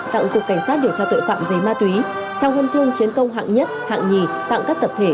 tặng cục cảnh sát điều tra tội phạm về ma túy trao hân chương chiến công hạng nhất hạng nhì tặng các tập thể